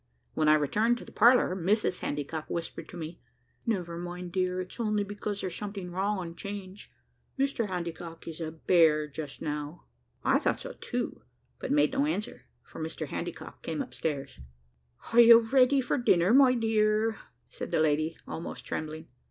When I returned to the parlour, Mrs Handycock whispered to me, "Never mind, my dear, it's only because there's something wrong on 'Change. Mr Handycock is a bear just now." I thought so too, but made no answer, for Mr Handycock came upstairs. "Are you ready for your dinner, my dear?" said the lady, almost trembling.